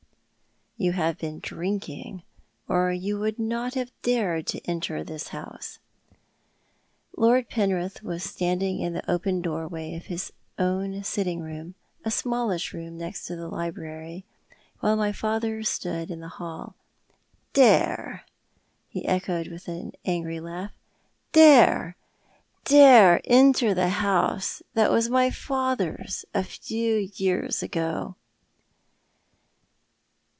" Xou have 252 • TJiou art tJie Man. been drinking, or you would not have dared to enter this house." Lord Penrith was standing in the open doorway of his own sitting room, a smallish room next the library, while my father stood in the hall. "Dare!" he echoed with an angry laugh. "Dare! Dai e enter the house that was my father's a few years ago."